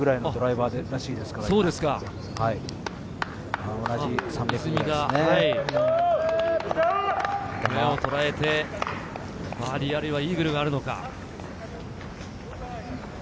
バーディー、あるいはイーグルがあるのか？